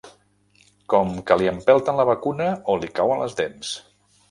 Com qui li empelten la vacuna o li cauen les dents